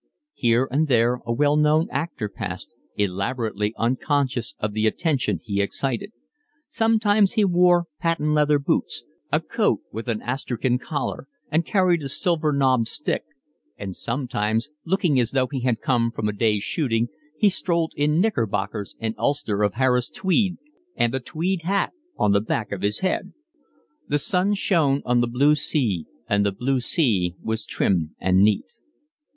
Here and there a well known actor passed, elaborately unconscious of the attention he excited: sometimes he wore patent leather boots, a coat with an astrakhan collar, and carried a silver knobbed stick; and sometimes, looking as though he had come from a day's shooting, he strolled in knickerbockers, and ulster of Harris tweed, and a tweed hat on the back of his head. The sun shone on the blue sea, and the blue sea was trim and neat.